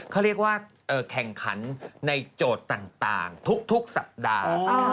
เขาเรียกว่าแข่งขันในโจทย์ต่างทุกสัปดาห์